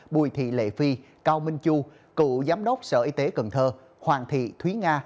bùi thị lệ phi cao minh chu cựu giám đốc sở y tế cần thơ hoàng thị thúy nga